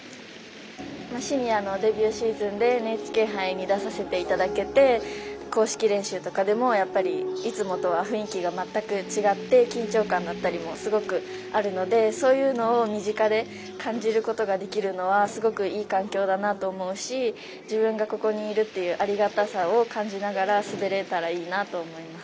シニアのデビューシーズンでＮＨＫ杯に出させていただけて公式練習とかでもいつもとは雰囲気が全く違って緊張感だったりもすごくあるのでそういうのを身近で感じることができるのはすごくいい環境だなと思うし自分がここにいるっていうありがたさを感じながら滑れたらいいなと思います。